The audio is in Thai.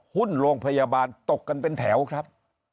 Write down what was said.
หุ้นโรงพยาบาลตกกันเป็นแถวครับ